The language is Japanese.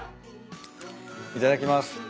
いただきます。